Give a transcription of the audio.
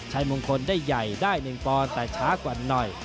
ชัยมงคลได้ใหญ่ได้๑ปอนด์แต่ช้ากว่าหน่อย